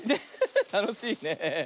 たのしいね！